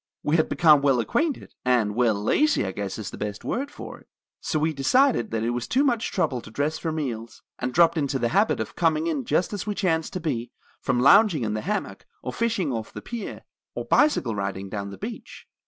We had become well acquainted, and well, lazy I guess is the best word for it. So we decided that it was too much trouble to dress for meals, and dropped into the habit of coming in just as we chanced to be, from lounging in the hammock, or fishing off the pier, or bicycle riding down the beach.